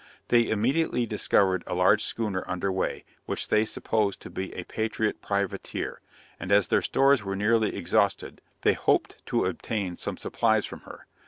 They immediately discovered a large schooner under way, which they supposed to be a Patriot privateer; and as their stores were nearly exhausted, they hoped to obtain some supplies from her.